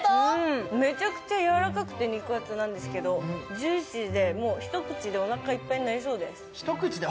めちゃくちゃやわらかくて肉厚なんですけど、ジュシーで、一口でおなかいっぱいになりそうです。